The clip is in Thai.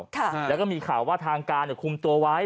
ค่ะแล้วก็มีข่าวว่าทางการเนี่ยคุมตัวไว้